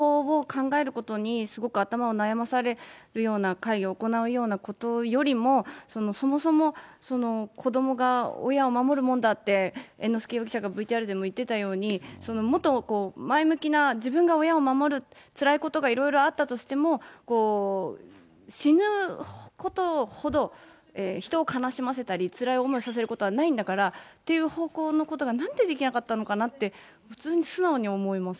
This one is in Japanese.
合わないですし、その方法を考えることにすごく頭を悩まされるような、会議を行うようなことよりも、そもそもその子どもが親を守るもんだって、猿之助容疑者がＶＴＲでも言ってたように、もっと前向きな、自分が親を守る、つらいことがいろいろあったとしても、死ぬことほど人を悲しませたり、つらい思いさせることはないんだからっていう方向のことが、なんでできなかったのかって、普通に素直に思います。